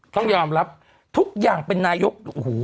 ต้องยอมรับทุกอย่างเป็นนายกโอ้โห